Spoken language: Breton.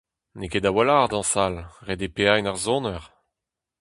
N'eo ket a-walc'h dañsal ret eo paeañ ar soner.